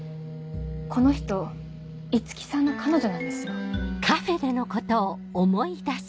この人五木さんの彼女なんですよ。